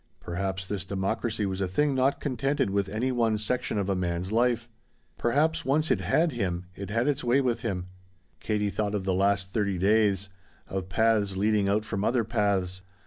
Perhaps this democracy was a thing not contented with any one section of a man's life. Perhaps once it had him it had its way with him. Katie thought of the last thirty days of paths leading out from other paths.